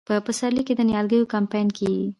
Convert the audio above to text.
په پسرلي کې د نیالګیو کمپاین کیږي.